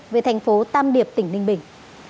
về tp tam điệp tỉnh ninh bình